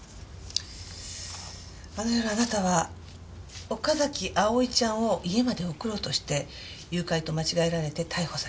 あの夜あなたは岡崎葵ちゃんを家まで送ろうとして誘拐と間違えられて逮捕されてます。